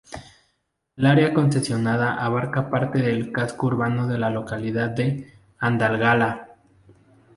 El área concesionada abarcaba parte del casco urbano de la localidad de Andalgalá.